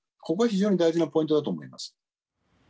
ここが非常に大事なポイントだと思います。